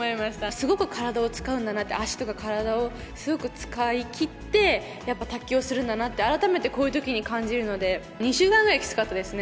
すごく体を使うんだなって、足とか体をすごく使い切って、やっぱ卓球をするんだなって、改めてこういうときに感じるので、２週間ぐらいきつかったですね。